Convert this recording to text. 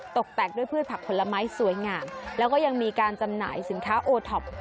ตกแต่งด้วยพืชผักผลไม้สวยงามแล้วก็ยังมีการจำหน่ายสินค้าโอท็อป